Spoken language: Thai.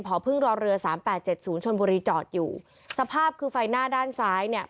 พอพึ่งรอเรือสามแปดเจ็ดศูนย์ชนบุรีจอดอยู่สภาพคือไฟหน้าด้านซ้ายเนี่ย